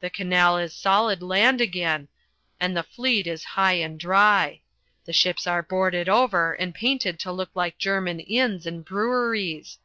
The canal is solid land again, and the fleet is high and dry. The ships are boarded over and painted to look like German inns and breweries.